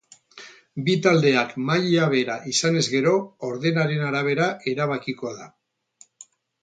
Bi taldeak maila bera izanez gero, ordenaren arabera erabakiko da.